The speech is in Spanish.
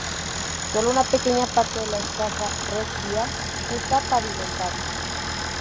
Sólo una pequeña parte de la escasa red vial está pavimentada.